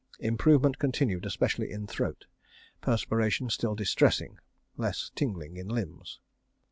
Improvement continued, especially in throat. Perspiration still distressing. Less tingling in limbs.